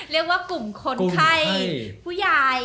เรียกว่ากลุ่มคนไข้ผู้ใหญ่